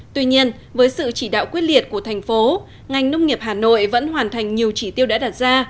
tuy nhiên với sự chỉ đạo quyết liệt của thành phố ngành nông nghiệp hà nội vẫn hoàn thành nhiều chỉ tiêu đã đặt ra